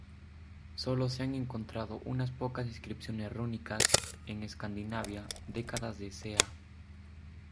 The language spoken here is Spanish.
Sólo se han encontrado unas pocas inscripciones rúnicas en Escandinavia datadas de "ca.